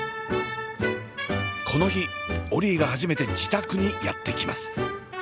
この日オリィが初めて自宅にやって来ます。